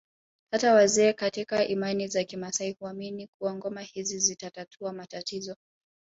Hata wazee katika imani za kimaasai huamini kuwa ngoma hizi zitatatua matatizo